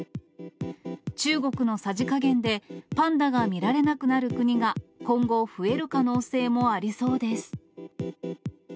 中国のさじ加減で、パンダが見られなくなる国が今後、増える可能性もありそうです。